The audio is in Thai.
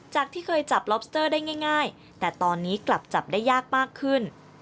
ที่เคยจับล็อบสเตอร์ได้ง่ายแต่ตอนนี้กลับจับได้ยากมากขึ้น